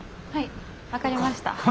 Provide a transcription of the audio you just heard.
はい分かりました。